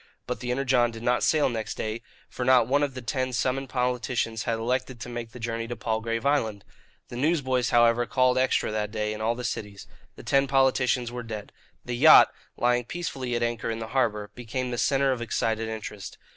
But the Energon did not sail next day, for not one of the ten summoned politicians had elected to make the journey to Palgrave Island. The newsboys, however, called "Extra" that day in all the cities. The ten politicians were dead. The yacht, lying peacefully at anchor in the harbour, became the centre of excited interest.